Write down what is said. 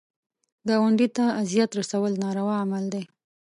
ګاونډي ته اذیت رسول ناروا عمل دی